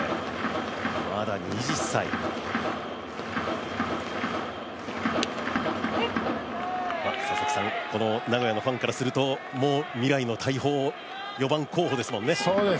まだ２０歳、名古屋のファンからすると未来の大砲、４番候補ですもんね。